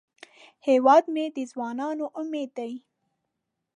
هیواد مې د ځوانانو امید دی